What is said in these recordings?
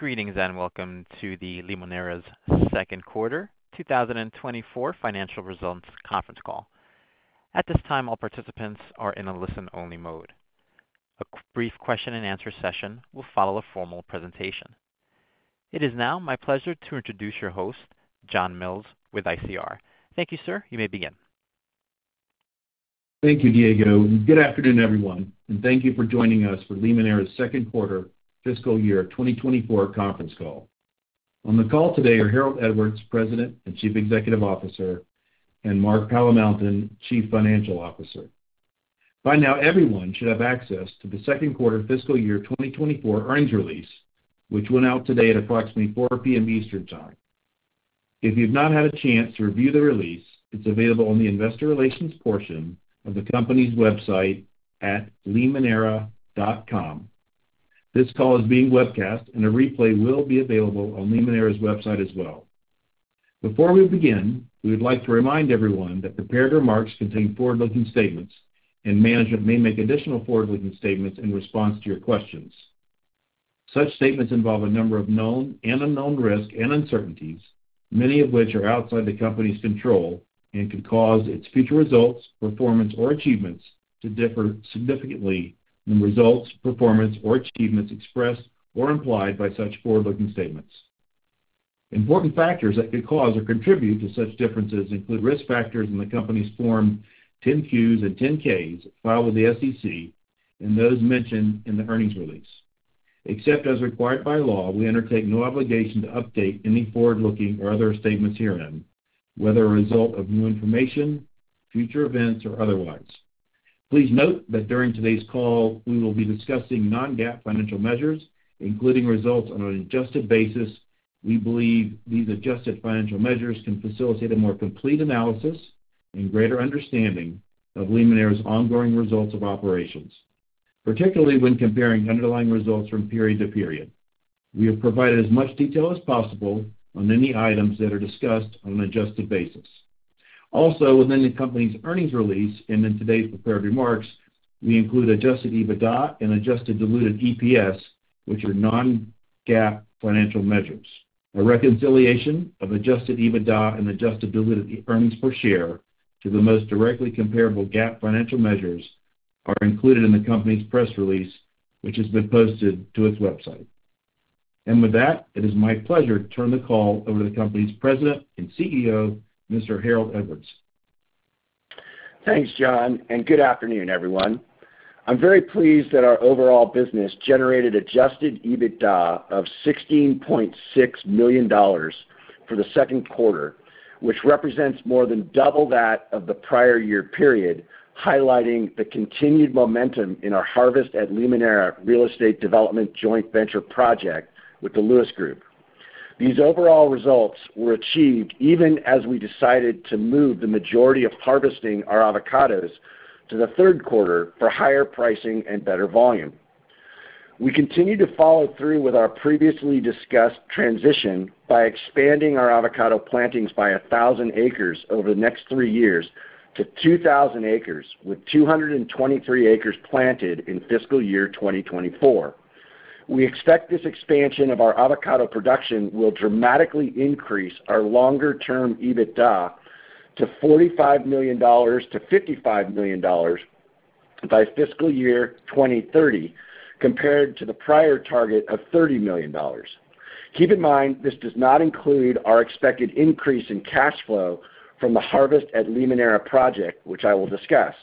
Greetings and welcome to the Limoneira's second quarter, 2024, financial results conference call. At this time, all participants are in a listen-only mode. A brief question-and-answer session will follow a formal presentation. It is now my pleasure to introduce your host, John Mills, with ICR. Thank you, sir. You may begin. Thank you, Diego. Good afternoon, everyone, and thank you for joining us for Limoneira's second quarter, fiscal year 2024, conference call. On the call today are Harold Edwards, President and Chief Executive Officer, and Mark Palamountain, Chief Financial Officer. By now, everyone should have access to the second quarter fiscal year 2024 earnings release, which went out today at approximately 4:00 P.M. Eastern Time. If you've not had a chance to review the release, it's available on the investor relations portion of the company's website at limoneira.com. This call is being webcast, and a replay will be available on Limoneira's website as well. Before we begin, we would like to remind everyone that prepared remarks contain forward-looking statements, and management may make additional forward-looking statements in response to your questions. Such statements involve a number of known and unknown risks and uncertainties, many of which are outside the company's control and could cause its future results, performance, or achievements to differ significantly from the results, performance, or achievements expressed or implied by such forward-looking statements. Important factors that could cause or contribute to such differences include risk factors in the company's Form 10-Qs and 10-Ks filed with the SEC and those mentioned in the earnings release. Except as required by law, we undertake no obligation to update any forward-looking or other statements herein, whether a result of new information, future events, or otherwise. Please note that during today's call, we will be discussing non-GAAP financial measures, including results on an adjusted basis. We believe these adjusted financial measures can facilitate a more complete analysis and greater understanding of Limoneira's ongoing results of operations, particularly when comparing underlying results from period to period. We have provided as much detail as possible on any items that are discussed on an adjusted basis. Also, within the company's earnings release and in today's prepared remarks, we include Adjusted EBITDA and Adjusted Diluted EPS, which are non-GAAP financial measures. A reconciliation of Adjusted EBITDA and adjusted diluted earnings per share to the most directly comparable GAAP financial measures is included in the company's press release, which has been posted to its website. And with that, it is my pleasure to turn the call over to the company's President and CEO, Mr. Harold Edwards. Thanks, John, and good afternoon, everyone. I'm very pleased that our overall business generated Adjusted EBITDA of $16.6 million for the second quarter, which represents more than double that of the prior year period, highlighting the continued momentum in our Harvest at Limoneira real estate development joint venture project with the Lewis Group. These overall results were achieved even as we decided to move the majority of harvesting our avocados to the third quarter for higher pricing and better volume. We continue to follow through with our previously discussed transition by expanding our avocado plantings by 1,000 acres over the next three years to 2,000 acres, with 223 acres planted in fiscal year 2024. We expect this expansion of our avocado production will dramatically increase our longer-term EBITDA to $45 million-$55 million by fiscal year 2030, compared to the prior target of $30 million. Keep in mind, this does not include our expected increase in cash flow from the Harvest at Limoneira project, which I will discuss.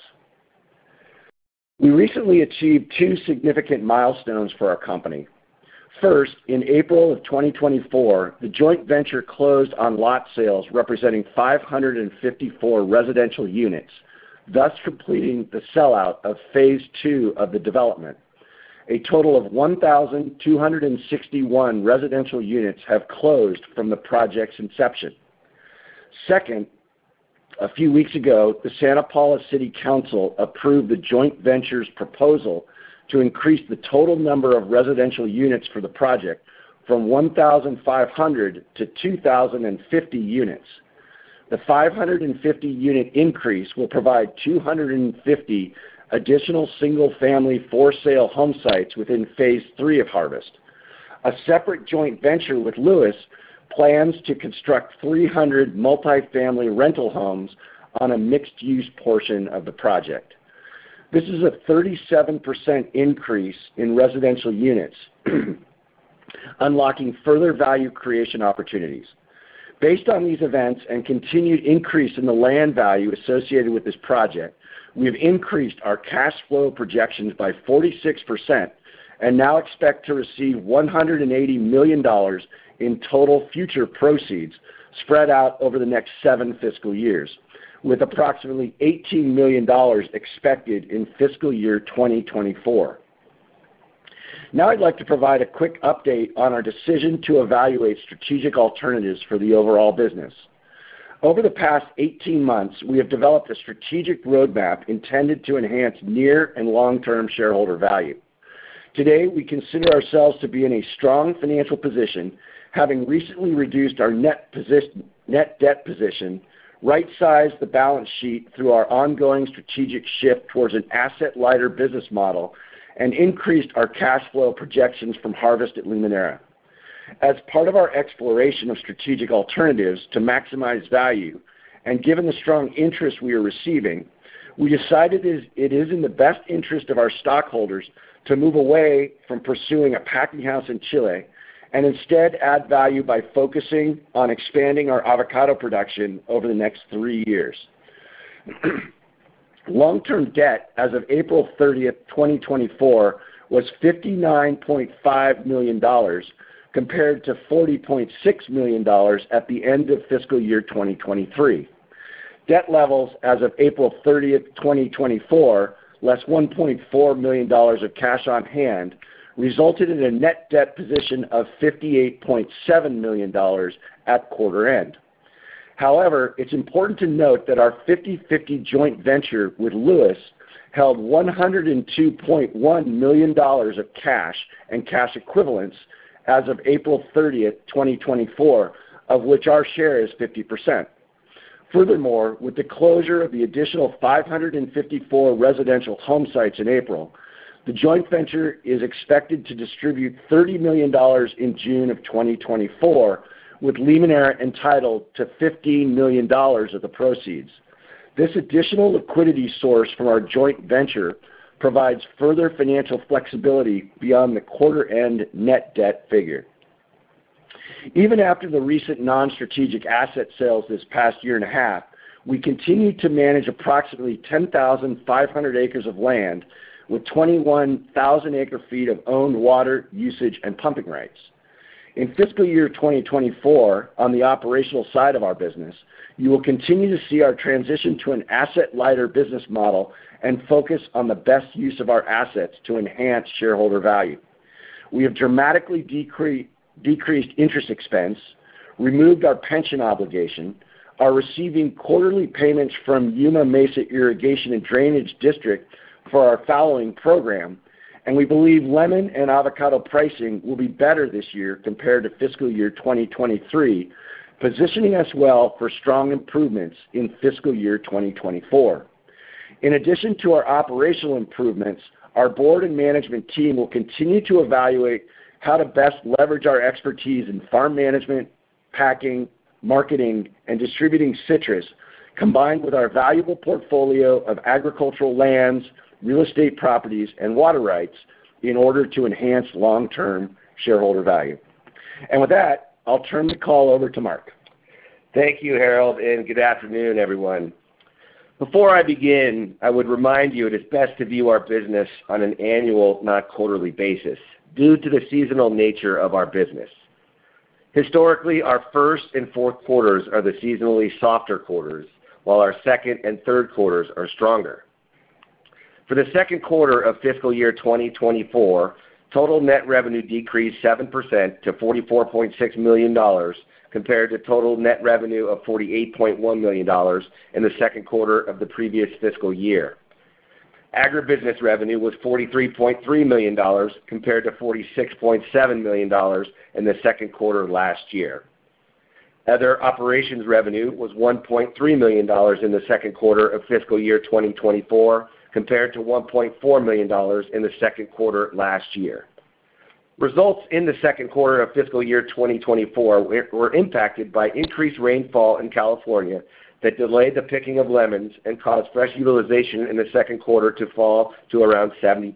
We recently achieved two significant milestones for our company. First, in April of 2024, the joint venture closed on lot sales representing 554 residential units, thus completing the sellout of phase II of the development. A total of 1,261 residential units have closed from the project's inception. Second, a few weeks ago, the Santa Paula City Council approved the joint venture's proposal to increase the total number of residential units for the project from 1,500-2,050 units. The 550-unit increase will provide 250 additional single-family for-sale home sites within phase III of Harvest. A separate joint venture with Lewis plans to construct 300 multi-family rental homes on a mixed-use portion of the project. This is a 37% increase in residential units, unlocking further value creation opportunities. Based on these events and continued increase in the land value associated with this project, we have increased our cash flow projections by 46% and now expect to receive $180 million in total future proceeds spread out over the next seven fiscal years, with approximately $18 million expected in fiscal year 2024. Now, I'd like to provide a quick update on our decision to evaluate strategic alternatives for the overall business. Over the past 18 months, we have developed a strategic roadmap intended to enhance near and long-term shareholder value. Today, we consider ourselves to be in a strong financial position, having recently reduced our net debt position, right-sized the balance sheet through our ongoing strategic shift towards an asset-lighter business model, and increased our cash flow projections from Harvest at Limoneira. As part of our exploration of strategic alternatives to maximize value, and given the strong interest we are receiving, we decided it is in the best interest of our stockholders to move away from pursuing a packing house in Chile and instead add value by focusing on expanding our avocado production over the next three years. Long-term debt as of April 30, 2024, was $59.5 million compared to $40.6 million at the end of fiscal year 2023. Debt levels as of April 30, 2024, less $1.4 million of cash on hand, resulted in a net debt position of $58.7 million at quarter end. However, it's important to note that our 50/50 joint venture with Lewis held $102.1 million of cash and cash equivalents as of April 30, 2024, of which our share is 50%. Furthermore, with the closure of the additional 554 residential home sites in April, the joint venture is expected to distribute $30 million in June of 2024, with Limoneira entitled to $15 million of the proceeds. This additional liquidity source from our joint venture provides further financial flexibility beyond the quarter-end net debt figure. Even after the recent non-strategic asset sales this past year and a half, we continue to manage approximately 10,500 acres of land with 21,000 acre-feet of owned water, usage, and pumping rights. In fiscal year 2024, on the operational side of our business, you will continue to see our transition to an asset-lighter business model and focus on the best use of our assets to enhance shareholder value. We have dramatically decreased interest expense, removed our pension obligation, are receiving quarterly payments from Yuma Mesa Irrigation and Drainage District for our fallowing program, and we believe lemon and avocado pricing will be better this year compared to fiscal year 2023, positioning us well for strong improvements in fiscal year 2024. In addition to our operational improvements, our board and management team will continue to evaluate how to best leverage our expertise in farm management, packing, marketing, and distributing citrus, combined with our valuable portfolio of agricultural lands, real estate properties, and water rights in order to enhance long-term shareholder value. With that, I'll turn the call over to Mark. Thank you, Harold, and good afternoon, everyone. Before I begin, I would remind you it is best to view our business on an annual, not quarterly basis, due to the seasonal nature of our business. Historically, our first and fourth quarters are the seasonally softer quarters, while our second and third quarters are stronger. For the second quarter of fiscal year 2024, total net revenue decreased 7% to $44.6 million compared to total net revenue of $48.1 million in the second quarter of the previous fiscal year. Agribusiness revenue was $43.3 million compared to $46.7 million in the second quarter last year. Other operations revenue was $1.3 million in the second quarter of fiscal year 2024 compared to $1.4 million in the second quarter last year. Results in the second quarter of fiscal year 2024 were impacted by increased rainfall in California that delayed the picking of lemons and caused fresh utilization in the second quarter to fall to around 70%.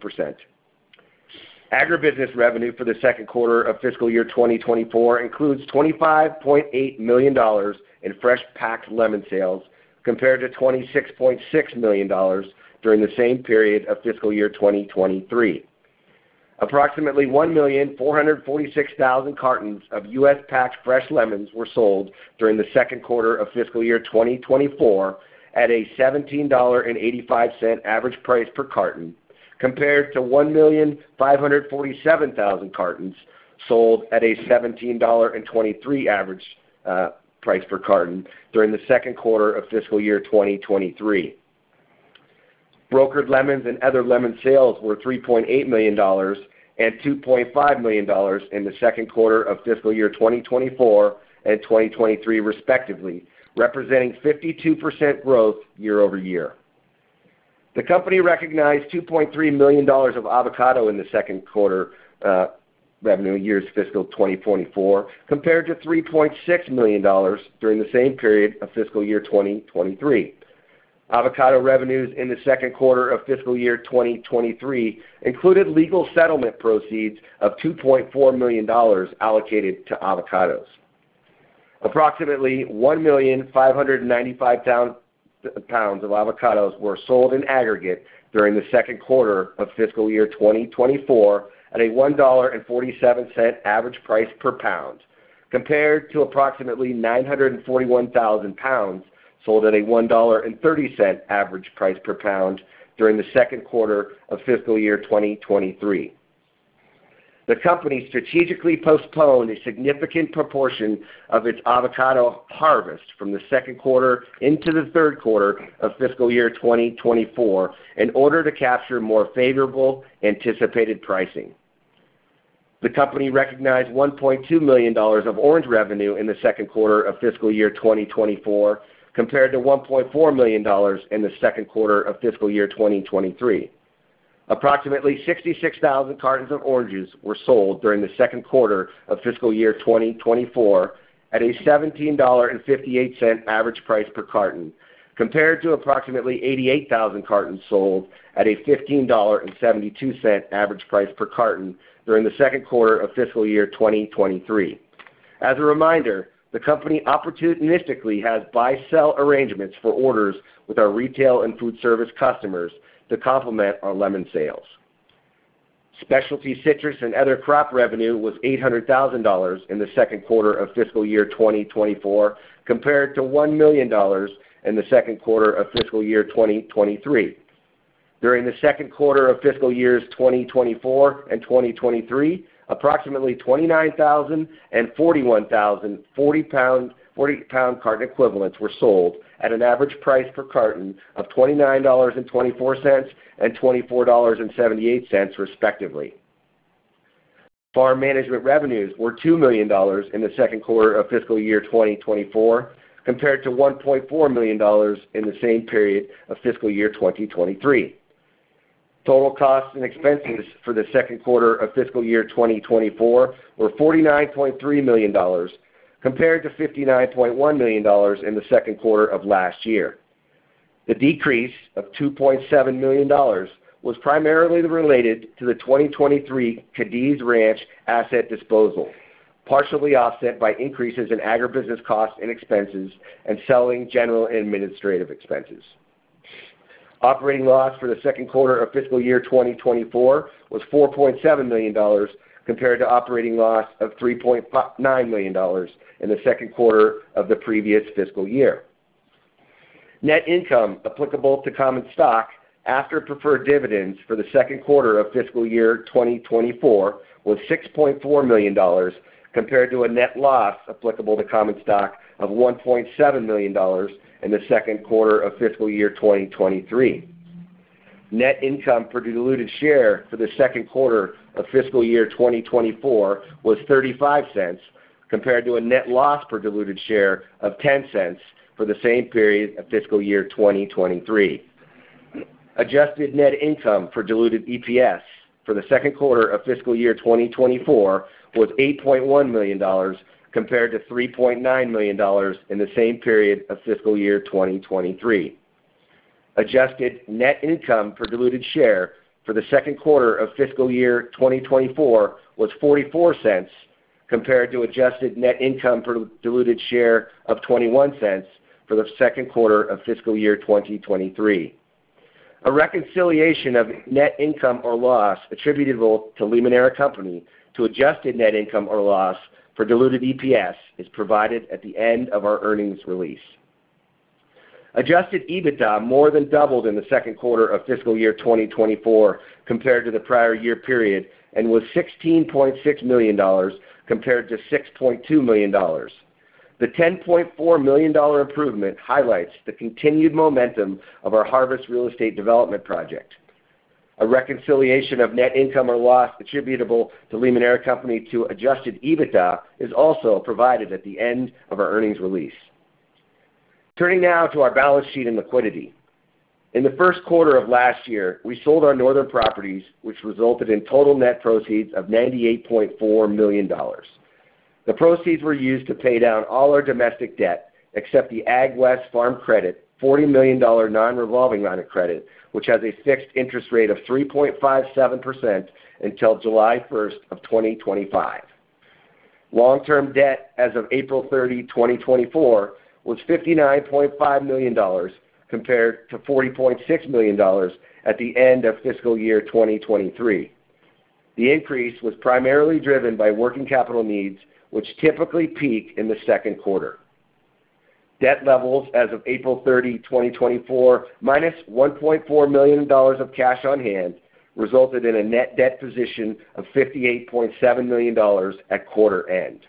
Agribusiness revenue for the second quarter of fiscal year 2024 includes $25.8 million in fresh packed lemon sales compared to $26.6 million during the same period of fiscal year 2023. Approximately 1,446,000 cartons of U.S.-packed fresh lemons were sold during the second quarter of fiscal year 2024 at a $17.85 average price per carton compared to 1,547,000 cartons sold at a $17.23 average price per carton during the second quarter of fiscal year 2023. Brokered lemons and other lemon sales were $3.8 million and $2.5 million in the second quarter of fiscal year 2024 and 2023, respectively, representing 52% growth year-over-year. The company recognized $2.3 million of avocado in the second quarter revenue of fiscal year 2024 compared to $3.6 million during the same period of fiscal year 2023. Avocado revenues in the second quarter of fiscal year 2023 included legal settlement proceeds of $2.4 million allocated to avocados. Approximately 1,595,000 pounds of avocados were sold in aggregate during the second quarter of fiscal year 2024 at a $1.47 average price per pound, compared to approximately 941,000 pounds sold at a $1.30 average price per pound during the second quarter of fiscal year 2023. The company strategically postponed a significant proportion of its avocado harvest from the second quarter into the third quarter of fiscal year 2024 in order to capture more favorable anticipated pricing. The company recognized $1.2 million of orange revenue in the second quarter of fiscal year 2024 compared to $1.4 million in the second quarter of fiscal year 2023. Approximately 66,000 cartons of oranges were sold during the second quarter of fiscal year 2024 at a $17.58 average price per carton, compared to approximately 88,000 cartons sold at a $15.72 average price per carton during the second quarter of fiscal year 2023. As a reminder, the company opportunistically has buy-sell arrangements for orders with our retail and food service customers to complement our lemon sales. Specialty citrus and other crop revenue was $800,000 in the second quarter of fiscal year 2024, compared to $1 million in the second quarter of fiscal year 2023. During the second quarter of fiscal years 2024 and 2023, approximately 29,000 and 41,000 40-pound carton equivalents were sold at an average price per carton of $29.24 and $24.78, respectively. Farm management revenues were $2 million in the second quarter of fiscal year 2024, compared to $1.4 million in the same period of fiscal year 2023. Total costs and expenses for the second quarter of fiscal year 2024 were $49.3 million, compared to $59.1 million in the second quarter of last year. The decrease of $2.7 million was primarily related to the 2023 Cadiz Ranch asset disposal, partially offset by increases in agribusiness costs and expenses and selling general and administrative expenses. Operating loss for the second quarter of fiscal year 2024 was $4.7 million, compared to operating loss of $3.9 million in the second quarter of the previous fiscal year. Net income applicable to common stock after preferred dividends for the second quarter of fiscal year 2024 was $6.4 million, compared to a net loss applicable to common stock of $1.7 million in the second quarter of fiscal year 2023. Net income per diluted share for the second quarter of fiscal year 2024 was $0.35, compared to a net loss per diluted share of $0.10 for the same period of fiscal year 2023. Adjusted net income for diluted EPS for the second quarter of fiscal year 2024 was $8.1 million, compared to $3.9 million in the same period of fiscal year 2023. Adjusted net income per diluted share for the second quarter of fiscal year 2024 was $0.44, compared to adjusted net income per diluted share of $0.21 for the second quarter of fiscal year 2023. A reconciliation of net income or loss attributable to Limoneira Company to adjusted net income or loss for diluted EPS is provided at the end of our earnings release. Adjusted EBITDA more than doubled in the second quarter of fiscal year 2024 compared to the prior year period and was $16.6 million compared to $6.2 million. The $10.4 million improvement highlights the continued momentum of our Harvest Real Estate Development Project. A reconciliation of net income or loss attributable to Limoneira Company to Adjusted EBITDA is also provided at the end of our earnings release. Turning now to our balance sheet and liquidity. In the first quarter of last year, we sold our northern properties, which resulted in total net proceeds of $98.4 million. The proceeds were used to pay down all our domestic debt except the AgWest Farm Credit $40 million non-revolving line of credit, which has a fixed interest rate of 3.57% until July 1, 2025. Long-term debt as of April 30, 2024, was $59.5 million compared to $40.6 million at the end of fiscal year 2023. The increase was primarily driven by working capital needs, which typically peak in the second quarter. Debt levels as of April 30, 2024, minus $1.4 million of cash on hand resulted in a net debt position of $58.7 million at quarter end.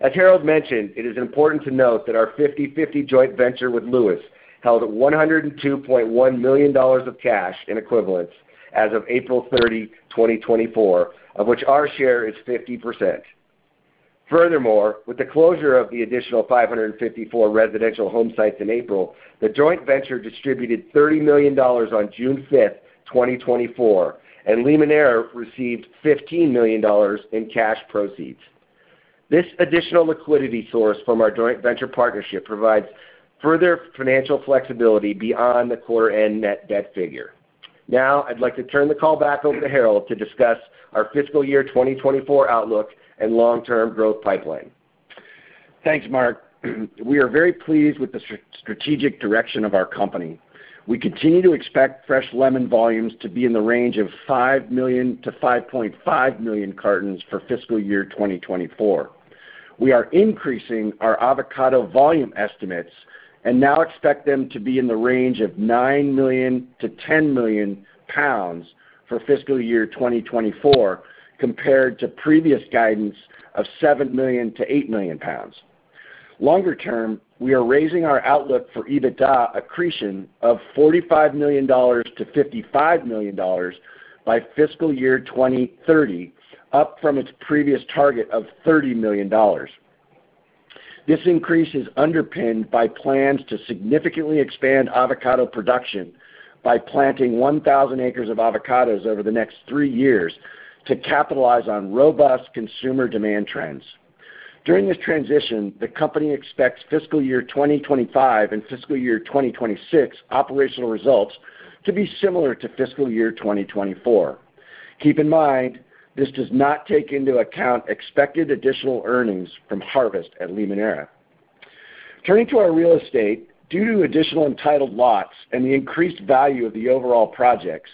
As Harold mentioned, it is important to note that our 50/50 joint venture with Lewis held $102.1 million of cash in equivalents as of April 30, 2024, of which our share is 50%. Furthermore, with the closure of the additional 554 residential home sites in April, the joint venture distributed $30 million on June 5, 2024, and Limoneira received $15 million in cash proceeds. This additional liquidity source from our joint venture partnership provides further financial flexibility beyond the quarter-end net debt figure. Now, I'd like to turn the call back over to Harold to discuss our fiscal year 2024 outlook and long-term growth pipeline. Thanks, Mark. We are very pleased with the strategic direction of our company. We continue to expect fresh lemon volumes to be in the range of 5-5.5 million cartons for fiscal year 2024. We are increasing our avocado volume estimates and now expect them to be in the range of 9-10 million pounds for fiscal year 2024 compared to previous guidance of 7-8 million pounds. Longer term, we are raising our outlook for EBITDA accretion of $45-$55 million by fiscal year 2030, up from its previous target of $30 million. This increase is underpinned by plans to significantly expand avocado production by planting 1,000 acres of avocados over the next three years to capitalize on robust consumer demand trends. During this transition, the company expects fiscal year 2025 and fiscal year 2026 operational results to be similar to fiscal year 2024. Keep in mind, this does not take into account expected additional earnings from Harvest at Limoneira. Turning to our real estate, due to additional entitled lots and the increased value of the overall projects,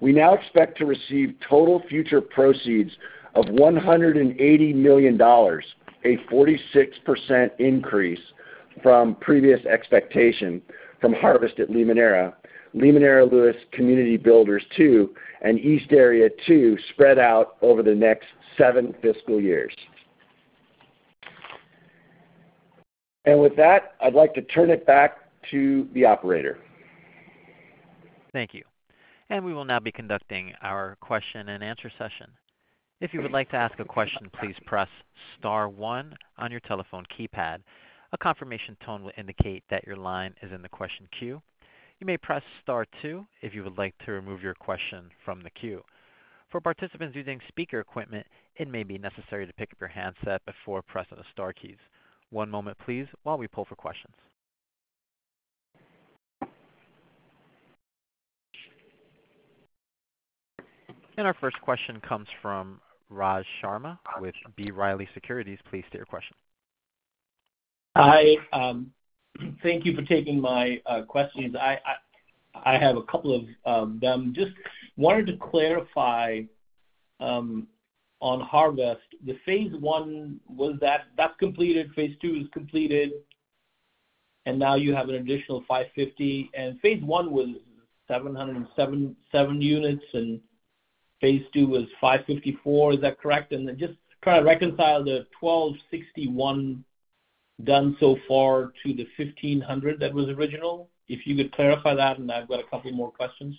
we now expect to receive total future proceeds of $180 million, a 46% increase from previous expectation from Harvest at Limoneira, Limoneira Lewis Community Builders II, and East Area II spread out over the next seven fiscal years. With that, I'd like to turn it back to the operator. Thank you. And we will now be conducting our question and answer session. If you would like to ask a question, please press Star 1 on your telephone keypad. A confirmation tone will indicate that your line is in the question queue. You may press Star 2 if you would like to remove your question from the queue. For participants using speaker equipment, it may be necessary to pick up your handset before pressing the Star keys. One moment, please, while we pull for questions. And our first question comes from Raj Sharma with B. Riley Securities. Please state your question. Hi. Thank you for taking my questions. I have a couple of them. Just wanted to clarify on Harvest. The phase I was that that's completed, phase II is completed, and now you have an additional 550. And phase I was 707 units, and phase II was 554. Is that correct? And then just try to reconcile the 1,261 done so far to the 1,500 that was original. If you could clarify that, and I've got a couple more questions.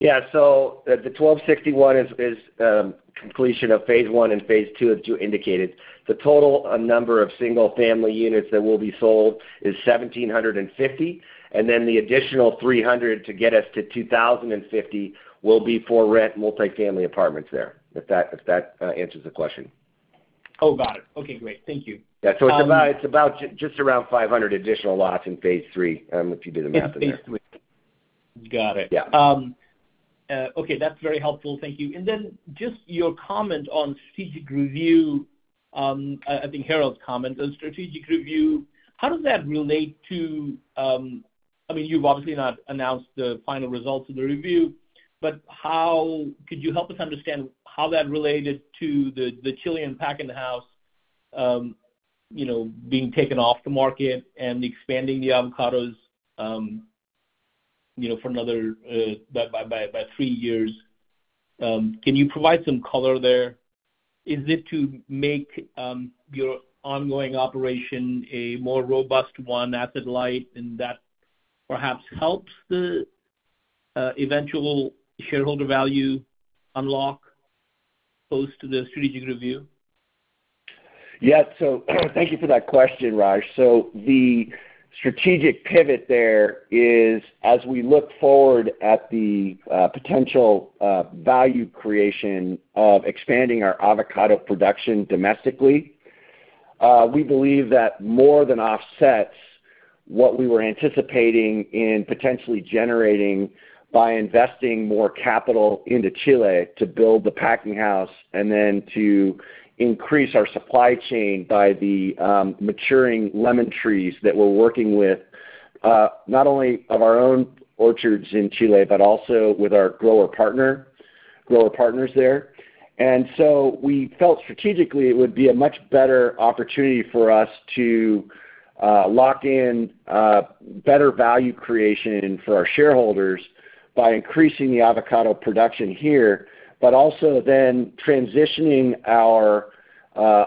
Yeah. So the 1,261 is completion of phase I and phase II that you indicated. The total number of single-family units that will be sold is 1,750. And then the additional 300 to get us to 2,050 will be for rent multifamily apartments there, if that answers the question. Oh, got it. Okay. Great. Thank you. Yeah. So it's about just around 500 additional lots in phase III, if you did the math in there. In phase III. Got it. Yeah. Okay. That's very helpful. Thank you. And then just your comment on strategic review, I think Harold's comment on strategic review, how does that relate to, I mean, you've obviously not announced the final results of the review, but could you help us understand how that related to the Chilean packing house being taken off the market and expanding the avocados for another three years? Can you provide some color there? Is it to make your ongoing operation a more robust one, asset-light, and that perhaps helps the eventual shareholder value unlock post the strategic review? Yeah. So thank you for that question, Raj. So the strategic pivot there is, as we look forward at the potential value creation of expanding our avocado production domestically, we believe that more than offsets what we were anticipating in potentially generating by investing more capital into Chile to build the packing house and then to increase our supply chain by the maturing lemon trees that we're working with, not only of our own orchards in Chile but also with our grower partners there. We felt strategically it would be a much better opportunity for us to lock in better value creation for our shareholders by increasing the avocado production here, but also then transitioning our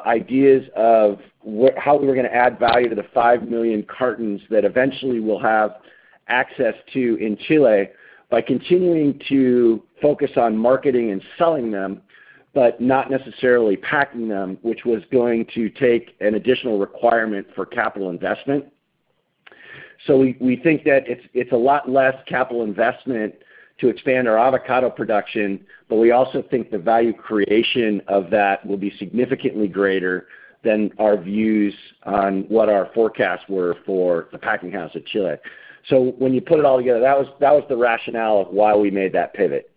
ideas of how we were going to add value to the 5 million cartons that eventually we'll have access to in Chile by continuing to focus on marketing and selling them but not necessarily packing them, which was going to take an additional requirement for capital investment. We think that it's a lot less capital investment to expand our avocado production, but we also think the value creation of that will be significantly greater than our views on what our forecasts were for the packing house at Chile. When you put it all together, that was the rationale of why we made that pivot.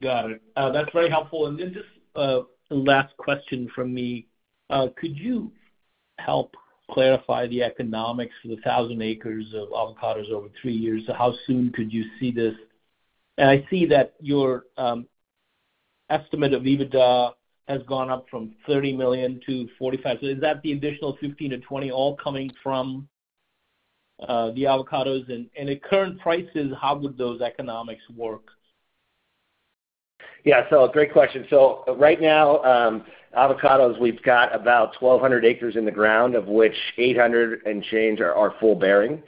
Got it. That's very helpful. And then just a last question from me. Could you help clarify the economics for the 1,000 acres of avocados over three years? So how soon could you see this? And I see that your estimate of EBITDA has gone up from $30 million to $45 million. So is that the additional $15 million-$20 million all coming from the avocados? And at current prices, how would those economics work? Yeah. So great question. So right now, avocados, we've got about 1,200 acres in the ground, of which 800 and change are full bearing.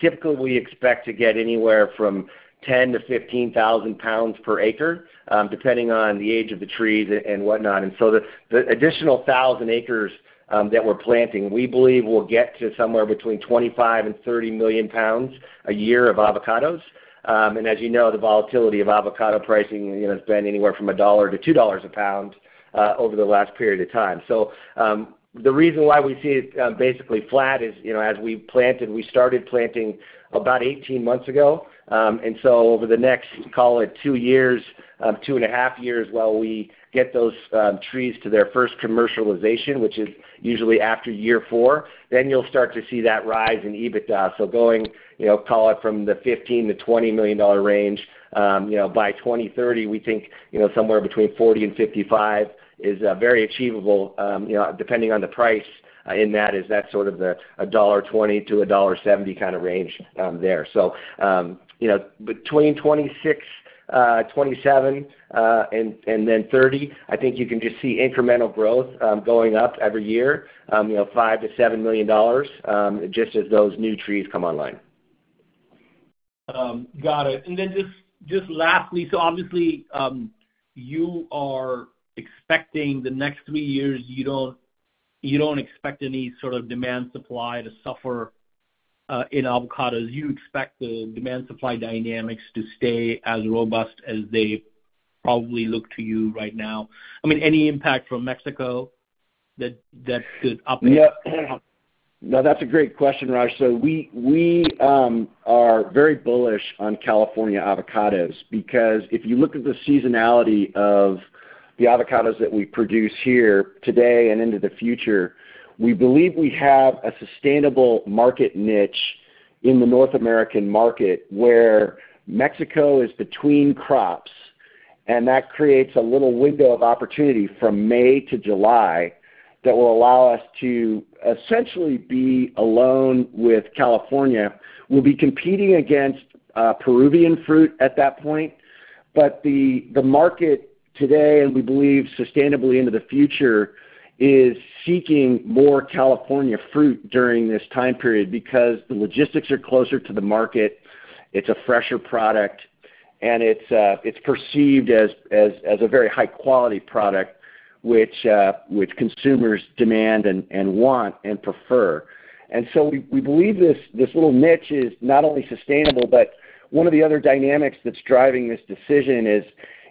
Typically, we expect to get anywhere from 10,000-15,000 lbs per acre, depending on the age of the trees and whatnot. And so the additional 1,000 acres that we're planting, we believe we'll get to somewhere between 25-30 million lbs a year of avocados. And as you know, the volatility of avocado pricing has been anywhere from $1-$2 a pound over the last period of time. So the reason why we see it basically flat is, as we planted, we started planting about 18 months ago. So over the next, call it, 2 years, 2.5 years, while we get those trees to their first commercialization, which is usually after year 4, then you'll start to see that rise in EBITDA. So going, call it, from the $15-$20 million range, by 2030, we think somewhere between $40 million and $55 million is very achievable, depending on the price in that. Is that sort of a $1.20-$1.70 kind of range there? So between 26, 27, and then 30, I think you can just see incremental growth going up every year, $5-$7 million, just as those new trees come online. Got it. And then just lastly, so obviously, you are expecting the next three years, you don't expect any sort of demand supply to suffer in avocados. You expect the demand supply dynamics to stay as robust as they probably look to you right now. I mean, any impact from Mexico that could up? Yeah. No, that's a great question, Raj. So we are very bullish on California avocados because if you look at the seasonality of the avocados that we produce here today and into the future, we believe we have a sustainable market niche in the North American market where Mexico is between crops. And that creates a little window of opportunity from May to July that will allow us to essentially be alone with California. We'll be competing against Peruvian fruit at that point. But the market today, and we believe sustainably into the future, is seeking more California fruit during this time period because the logistics are closer to the market. It's a fresher product, and it's perceived as a very high-quality product, which consumers demand and want and prefer. And so we believe this little niche is not only sustainable, but one of the other dynamics that's driving this decision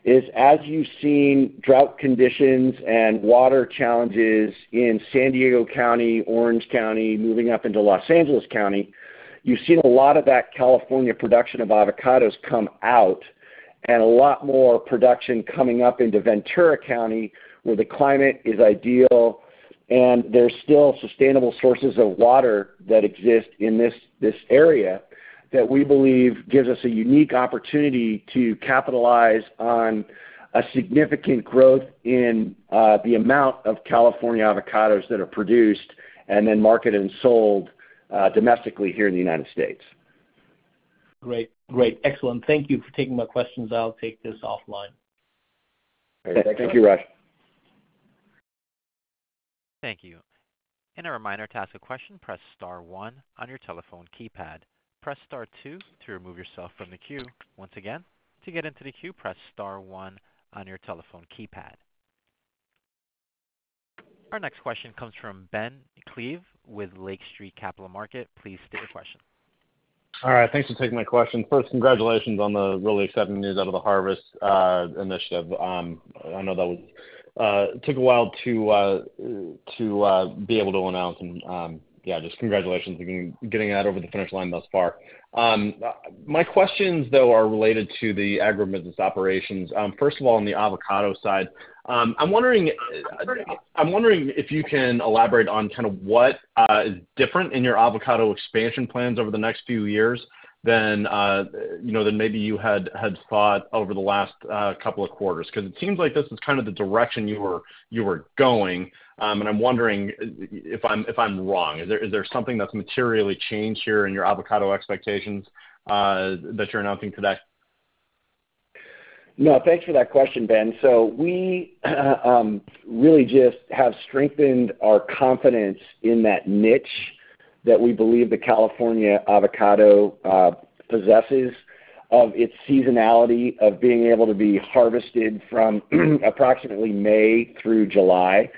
is, as you've seen drought conditions and water challenges in San Diego County, Orange County, moving up into Los Angeles County, you've seen a lot of that California production of avocados come out and a lot more production coming up into Ventura County where the climate is ideal. And there's still sustainable sources of water that exist in this area that we believe gives us a unique opportunity to capitalize on a significant growth in the amount of California avocados that are produced and then marketed and sold domestically here in the United States. Great. Great. Excellent. Thank you for taking my questions. I'll take this offline. All right. Thank you, Raj. Thank you. In a reminder to ask a question, press Star 1 on your telephone keypad. Press Star 2 to remove yourself from the queue. Once again, to get into the queue, press Star 1 on your telephone keypad. Our next question comes from Ben Klieve with Lake Street Capital Markets. Please state your question. All right. Thanks for taking my question. First, congratulations on the really exciting news out of the Harvest at Limoneira. I know that took a while to be able to announce. And yeah, just congratulations on getting that over the finish line thus far. My questions, though, are related to the agribusiness operations. First of all, on the avocado side, I'm wondering if you can elaborate on kind of what is different in your avocado expansion plans over the next few years than maybe you had thought over the last couple of quarters because it seems like this is kind of the direction you were going. And I'm wondering if I'm wrong. Is there something that's materially changed here in your avocado expectations that you're announcing today? No. Thanks for that question, Ben. So we really just have strengthened our confidence in that niche that we believe the California avocado possesses of its seasonality, of being able to be harvested from approximately May through July.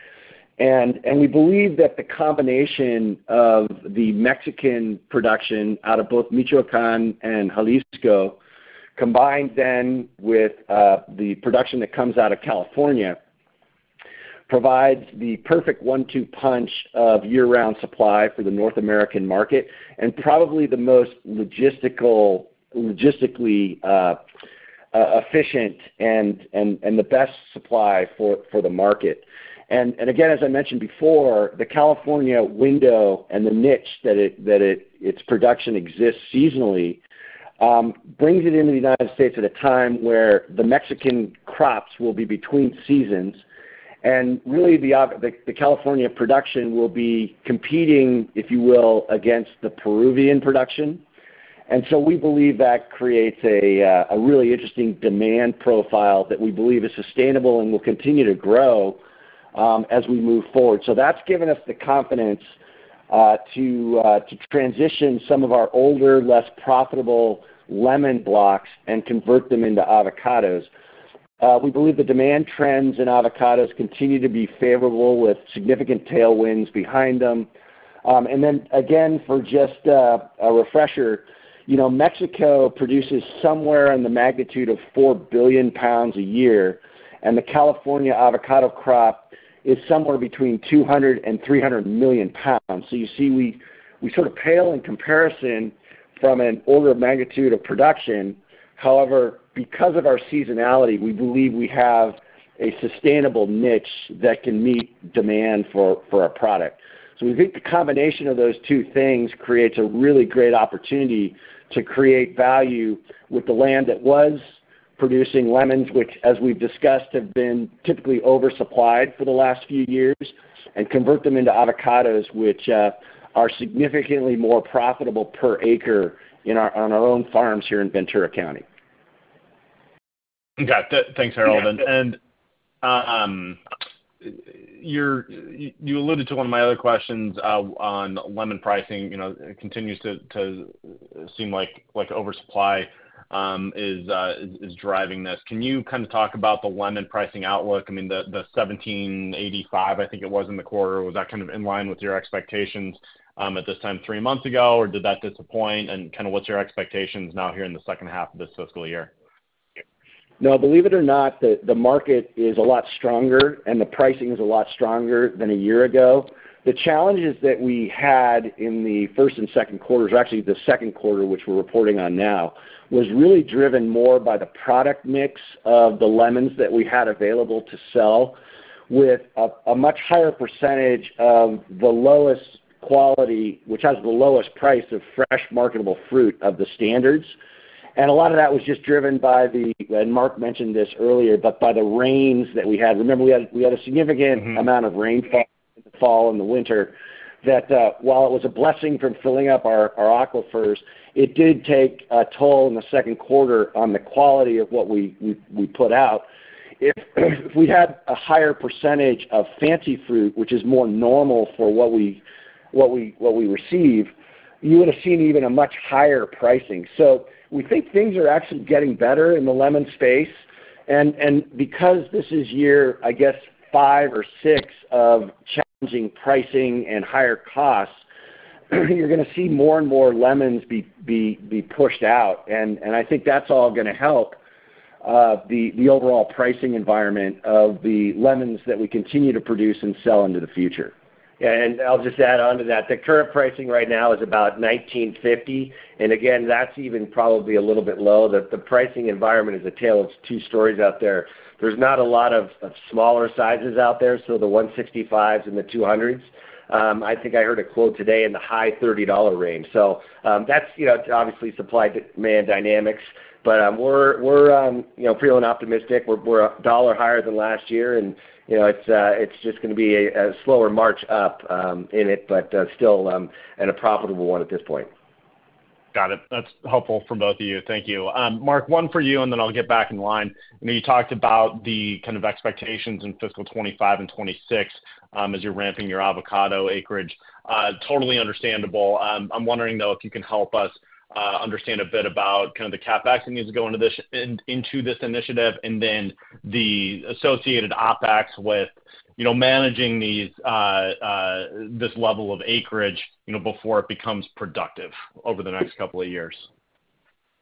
And we believe that the combination of the Mexican production out of both Michoacán and Jalisco, combined then with the production that comes out of California, provides the perfect one-two punch of year-round supply for the North American market and probably the most logistically efficient and the best supply for the market. And again, as I mentioned before, the California window and the niche that its production exists seasonally brings it into the United States at a time where the Mexican crops will be between seasons. And really, the California production will be competing, if you will, against the Peruvian production. So we believe that creates a really interesting demand profile that we believe is sustainable and will continue to grow as we move forward. That's given us the confidence to transition some of our older, less profitable lemon blocks and convert them into avocados. We believe the demand trends in avocados continue to be favorable with significant tailwinds behind them. Then again, for just a refresher, Mexico produces somewhere in the magnitude of 4 billion pounds a year, and the California avocado crop is somewhere between 200 and 300 million pounds. You see we sort of pale in comparison from an order of magnitude of production. However, because of our seasonality, we believe we have a sustainable niche that can meet demand for our product. So we think the combination of those two things creates a really great opportunity to create value with the land that was producing lemons, which, as we've discussed, have been typically oversupplied for the last few years, and convert them into avocados, which are significantly more profitable per acre on our own farms here in Ventura County. Okay. Thanks, Harold. And you alluded to one of my other questions on lemon pricing. It continues to seem like oversupply is driving this. Can you kind of talk about the lemon pricing outlook? I mean, the $17.85, I think it was in the quarter, was that kind of in line with your expectations at this time three months ago, or did that disappoint? And kind of what's your expectations now here in the second half of this fiscal year? No, believe it or not, the market is a lot stronger, and the pricing is a lot stronger than a year ago. The challenges that we had in the first and second quarters, actually the second quarter, which we're reporting on now, was really driven more by the product mix of the lemons that we had available to sell with a much higher percentage of the lowest quality, which has the lowest price of fresh marketable fruit of the standards. And a lot of that was just driven by the, and Mark mentioned this earlier, but by the rains that we had. Remember, we had a significant amount of rainfall in the fall and the winter that, while it was a blessing for filling up our aquifers, it did take a toll in the second quarter on the quality of what we put out. If we had a higher percentage of Fancy fruit, which is more normal for what we receive, you would have seen even a much higher pricing. So we think things are actually getting better in the lemon space. Because this is year, I guess, five or six of challenging pricing and higher costs, you're going to see more and more lemons be pushed out. And I think that's all going to help the overall pricing environment of the lemons that we continue to produce and sell into the future. I'll just add on to that. The current pricing right now is about $19.50. And again, that's even probably a little bit low. The pricing environment is a tale of two stories out there. There's not a lot of smaller sizes out there, so the 165s and the 200s. I think I heard a quote today in the high $30 range. So that's obviously supply-demand dynamics, but we're feeling optimistic. We're $1 higher than last year, and it's just going to be a slower march up in it, but still in a profitable one at this point. Got it. That's helpful for both of you. Thank you. Mark, one for you, and then I'll get back in line. You talked about the kind of expectations in fiscal 2025 and 2026 as you're ramping your avocado acreage. Totally understandable. I'm wondering, though, if you can help us understand a bit about kind of the CapEx that needs to go into this initiative and then the associated OpEx with managing this level of acreage before it becomes productive over the next couple of years.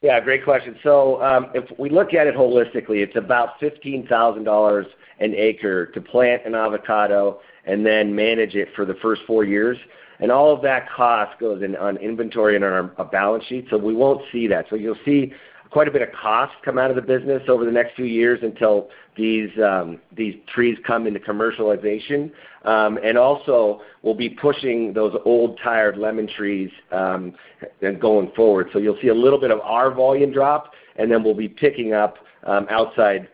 Yeah. Great question. So if we look at it holistically, it's about $15,000 an acre to plant an avocado and then manage it for the first four years. And all of that cost goes in on inventory and on a balance sheet. So we won't see that. So you'll see quite a bit of cost come out of the business over the next few years until these trees come into commercialization. And also, we'll be pushing those old, tired lemon trees going forward. So you'll see a little bit of our volume drop, and then we'll be picking up outside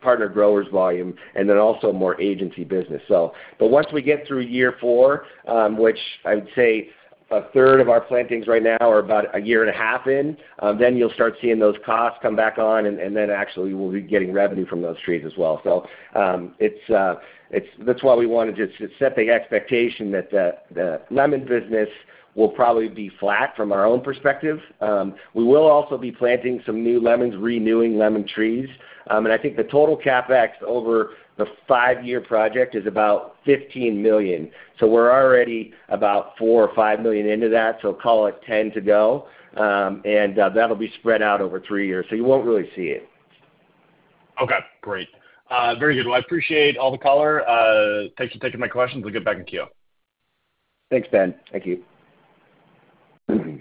partner growers' volume and then also more agency business. But once we get through year four, which I would say a third of our plantings right now are about a year and a half in, then you'll start seeing those costs come back on, and then actually we'll be getting revenue from those trees as well. So that's why we wanted to set the expectation that the lemon business will probably be flat from our own perspective. We will also be planting some new lemons, renewing lemon trees. And I think the total CapEx over the five-year project is about $15 million. So we're already about $4 million or $5 million into that. So call it $10 million to go, and that'll be spread out over three years. So you won't really see it. Okay. Great. Very good. Well, I appreciate all the color. Thanks for taking my questions. We'll get back in queue. Thanks, Ben. Thank you.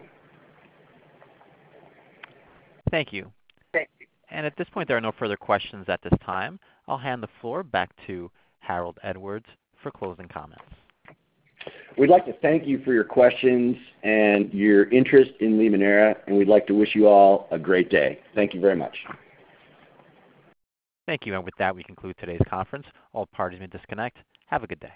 Thank you. Thank you. At this point, there are no further questions at this time. I'll hand the floor back to Harold Edwards for closing comments. We'd like to thank you for your questions and your interest in Limoneira, and we'd like to wish you all a great day. Thank you very much. Thank you. With that, we conclude today's conference. All parties may disconnect. Have a good day.